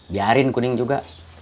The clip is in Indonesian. biarin kuning juga